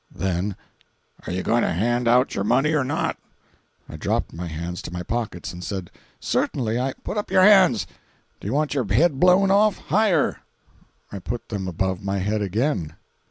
Then: "Are you going to hand out your money or not?" I dropped my hands to my pockets and said: Certainly! I—" "Put up your hands! Do you want your head blown off? Higher!" I put them above my head again.